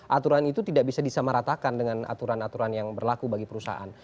aturan itu tidak bisa disamaratakan dengan aturan aturan yang berlaku bagi perusahaan